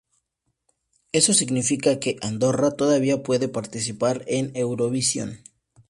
Eso significa, que Andorra todavía puede participar en Eurovisión.